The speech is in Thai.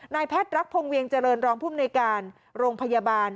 แพทย์รักพงศ์เวียงเจริญรองภูมิในการโรงพยาบาล